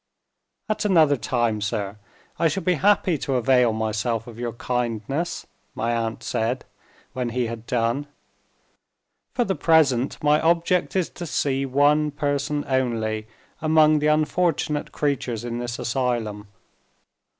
"At another time, sir, I shall be happy to avail myself of your kindness," my aunt said, when he had done. "For the present, my object is to see one person only among the unfortunate creatures in this asylum."